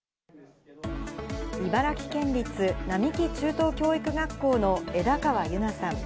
茨城県立並木中等教育学校の枝川優菜さん。